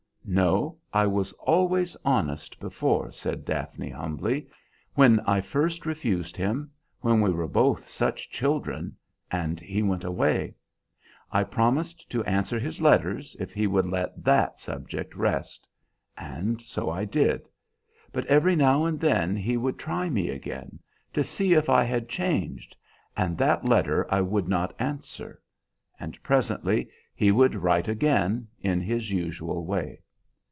"No; I was always honest before," said Daphne humbly. "When I first refused him, when we were both such children, and he went away, I promised to answer his letters if he would let that subject rest. And so I did. But every now and then he would try me again, to see if I had changed, and that letter I would not answer; and presently he would write again, in his usual way.